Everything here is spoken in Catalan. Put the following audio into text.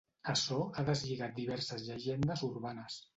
Açò ha deslligat diverses llegendes urbanes.